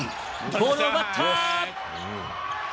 ボールを奪った。